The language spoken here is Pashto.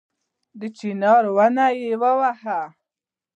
د چينار ونه يې ووهله